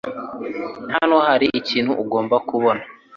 Hano hari ikintu ugomba kubona.